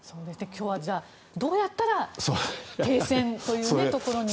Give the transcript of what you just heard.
今日はどうやったら停戦というところに。